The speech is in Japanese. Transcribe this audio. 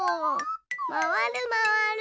まわるまわる！